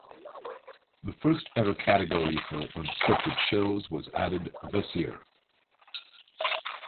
The first ever category for unscripted shows was added this year.